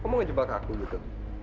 kamu ngejebak aku gitu